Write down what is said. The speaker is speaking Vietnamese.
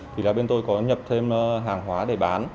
thì là bên tôi có nhập thêm hàng hóa để bán